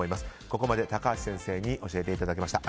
ここまで高橋先生に教えていただきました。